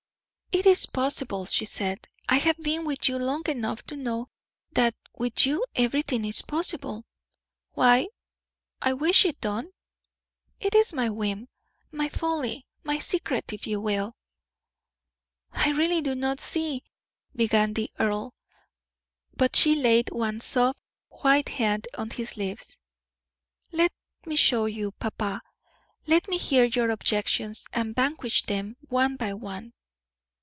"It is possible," she said. "I have been with you long enough to know that with you everything is possible. Why I wish it done, is my whim, my folly my secret, if you will." "I really do not see " began the earl; but she laid one soft, white hand on his lips. "Let me show you, papa. Let me hear your objections, and vanquish them one by one."